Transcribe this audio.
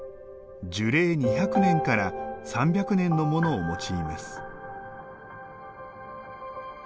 樹齢２００年から３００年のものを用います。